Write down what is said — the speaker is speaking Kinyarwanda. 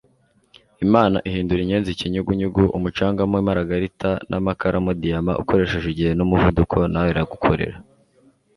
imana ihindura inyenzi ikinyugunyugu, umucanga mo imaragarita n'amakara mo diyama ukoresheje igihe n'umuvuduko. na we aragukorera